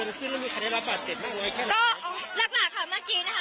เมื่อกี้เกิดอะไรกันขึ้นอะไรได้ยินเลยคะ